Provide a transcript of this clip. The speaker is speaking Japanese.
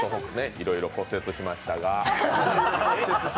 いろいろ骨折しましたが。